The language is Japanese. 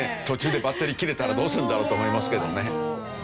途中でバッテリー切れたらどうするんだろうと思いますけどね。